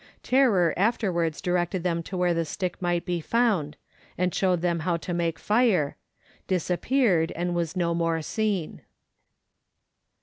Tarrer afterwards directed them to where the stick might be found, and showed them how to make fire ; disappeared, and was no more seen.